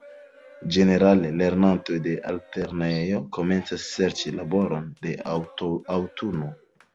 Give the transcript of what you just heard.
Ĝenerale lernantoj de altlernejo komencas serĉi laboron de aŭtuno.